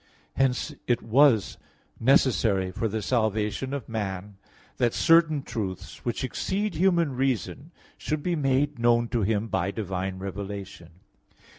Hence it was necessary for the salvation of man that certain truths which exceed human reason should be made known to him by divine revelation.